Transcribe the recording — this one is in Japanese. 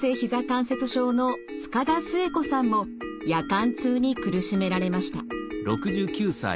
関節症の塚田末子さんも夜間痛に苦しめられました。